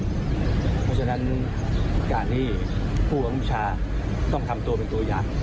เพราะฉะนั้นการที่ผู้บังคับบัญชาต้องทำตัวเป็นตัวอย่าง